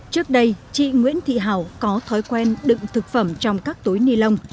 trước đây chị nguyễn thị hảo có thói quen đựng thực phẩm trong các túi ni lông